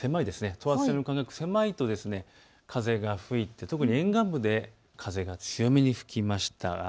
等圧線の間隔が狭いと風が吹いて特に沿岸部で風が強めに吹きました。